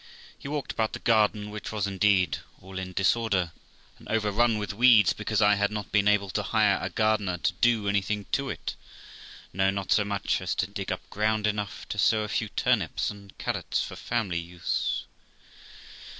he walked about the garden, which was, indeed, all in disorder, and overrun with weeds, because I had not been able to hire a gardener to do anything to it, no, not so much as to dig up ground enough to sow a few turnips and carrots for family use.